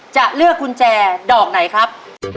จะเลือกกุญแจดอกไหนครับ